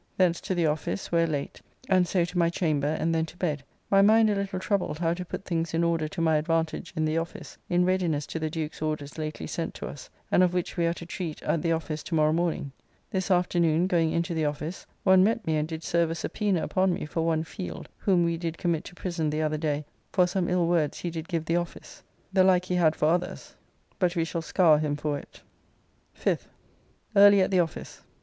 Thence to the office, where late, and so to my chamber and then to bed, my mind a little troubled how to put things in order to my advantage in the office in readiness to the Duke's orders lately sent to us, and of which we are to treat at the office to morrow morning. This afternoon, going into the office, one met me and did serve a subpoena upon me for one Field, whom we did commit to prison the other day for some ill words he did give the office. The like he had for others, but we shall scour him for it. 5th. Early at the office.